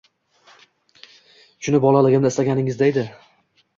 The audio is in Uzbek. Shuni bolaligimda istaganingizda edi